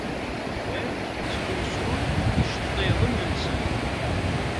Llan ttlusun iceḍḍiḍen-nsen.